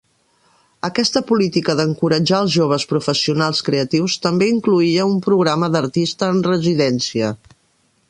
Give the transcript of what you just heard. Aquesta política d'encoratjar als joves professionals creatius també incloïa un programa d'Artista en residència.